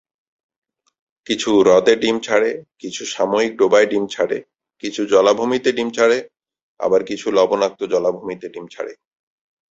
কিছু হ্রদে ডিম ছাড়ে, কিছু সাময়িক ডোবায় ডিম ছাড়ে, কিছু জলাভূমিতে ডিম ছাড়ে, আবার কিছু লবণাক্ত জলাভূমিতে ডিম ছাড়ে।